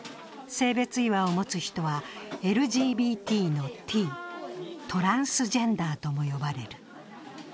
性別違和を持つ人はＬＧＢＴのＴ、トランスジェンダーとも呼ばれる。